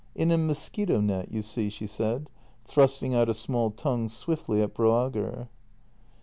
" In a mosquito net, you see," she said, thrusting out a small tongue swiftly at Broager.